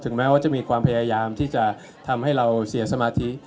แม้ว่าจะมีความพยายามที่จะทำให้เราเสียสมาธิ